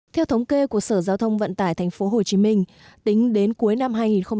theo thống kê của sở giao thông vận tải thành phố hồ chí minh tính đến cuối năm hai nghìn một mươi bảy